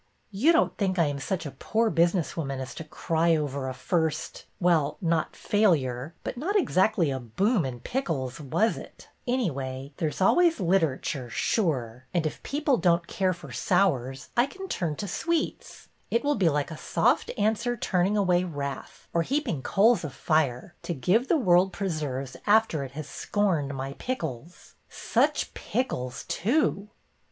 You don't think I am such a poor business woman as to cry over a first — well, not failure, but not exactly a boom in pic kles, was it ? Anyway, there is always Literature, 78 BETTY BAIRD^S VENTURES sure! And if people don't care for sours I can turn to sweets. It will be like a soft answer turning away wrath, or heaping coals of fire, to give the world preserves after it has scorned my pickles. Such pickles, too